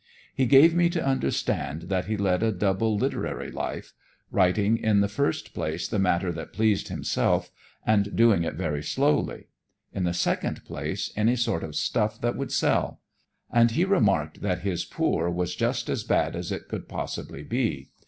He gave me to understand that he led a double literary life; writing in the first place the matter that pleased himself, and doing it very slowly; in the second place, any sort of stuff that would sell. And he remarked that his poor was just as bad as it could possibly be.